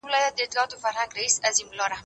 زه به سبا سبزیحات جمع کوم؟!